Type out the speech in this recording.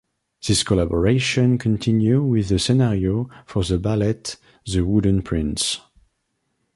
This collaboration continued with the scenario for the ballet "The Wooden Prince".